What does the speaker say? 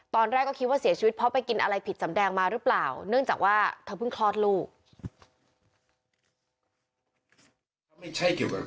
ตอนแรกก็คิดว่าเสียชีวิตเพราะไปกินอะไรผิดสำแดงมาหรือเปล่า